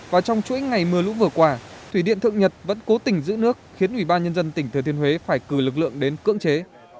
và trong chuỗi ngày mưa lũ vừa qua thủy điện thượng nhật vẫn cố tình giữ nước khiến ubnd tỉnh thừa thiên huế phải cử lực lượng đến cưỡng chế